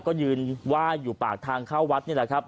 ก็ยืนไหว้อยู่ปากทางเข้าวัดนี่แหละครับ